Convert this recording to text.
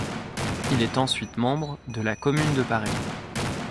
Il est ensuite membre de la Commune de Paris.